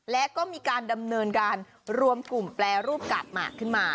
และก็มีการดำเนินการรวมกลุ่มแปรรูปกาดหมากขึ้นมา